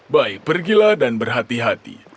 baik pergilah dan berhati hati